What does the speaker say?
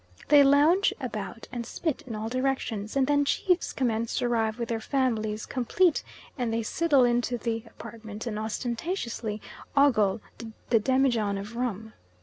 They lounge about and spit in all directions, and then chiefs commence to arrive with their families complete, and they sidle into the apartment and ostentatiously ogle the demijohn of rum.